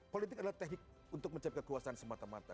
politik adalah teknik untuk mencapai kekuasaan semata mata